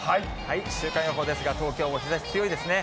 週間予報ですが、東京も日ざし強いですね。